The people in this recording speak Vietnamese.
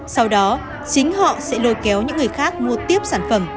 sau đó chính họ sẽ lôi kéo những người khác mua tiếp sản phẩm